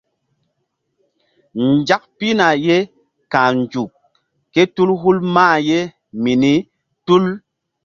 Nzak pihna ye ka̧h nzuk kétul hul mah ye mini tul.